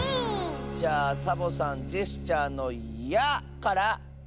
じゃあサボさんジェスチャーの「や」から！